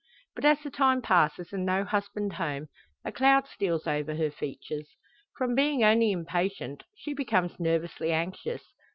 But as the time passes and no husband home, a cloud steals over her features. From being only impatient, she becomes nervously anxious.